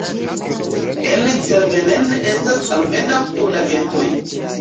En Kelvenne estas almenaŭ du lagetoj.